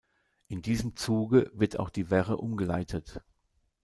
In diesem Zuge wird auch die Werre umgeleitet.